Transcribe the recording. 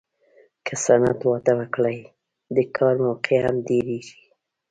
که صنعت وده وکړي، د کار موقعې هم ډېرېږي.